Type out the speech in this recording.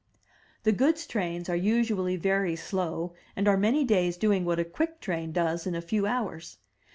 The goods trains are usually very slow, and are many days doing what a quick train does in a few hours.